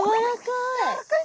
やわらかい！